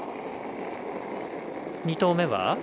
２投目は？